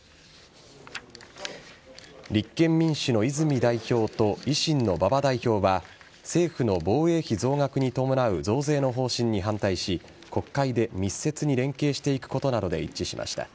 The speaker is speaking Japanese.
立憲民主の泉代表と維新の馬場代表は政府の防衛費増額に伴う増税の方針に反対し国会で密接に連携していくことなどで一致しました。